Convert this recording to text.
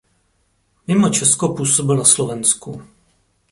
Mimo Česko působil na Slovensku.